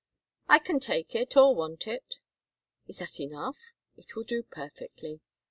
"I can take it or want it." "Is that enough?" "It will do perfectly."